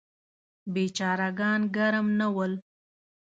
بیچاره ګان ګرم نه ول.